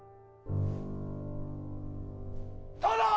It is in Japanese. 殿！